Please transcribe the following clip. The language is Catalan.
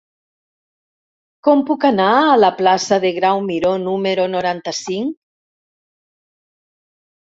Com puc anar a la plaça de Grau Miró número noranta-cinc?